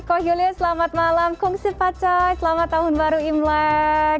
ko julius selamat malam kong sifat say selamat tahun baru imlek